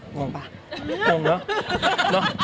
หงวงป่ะหงวงเนอะ